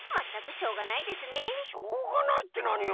しょうがないってなによ。